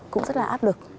cũng rất là áp lực